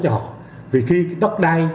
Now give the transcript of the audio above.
cho họ vì khi đất đây